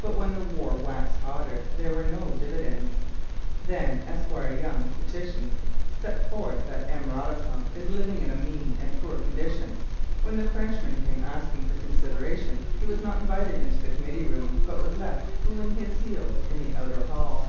But when the war waxed hotter there were no dividends. Then Esquire Young's petitions set forth that 'M. Radisson is living in a mean and poor condition.' When the Frenchman came asking for consideration, he was not invited into the committee room, but was left cooling his heels in the outer hall.